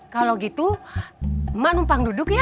kalau gitu emak numpang duduk ya